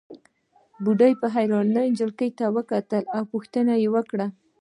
بوډۍ په حيرانۍ نجلۍ ته کتل او پوښتنې يې کولې.